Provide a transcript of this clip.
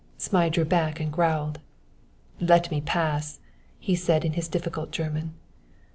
Zmai drew back and growled. "Let me pass," he said in his difficult German.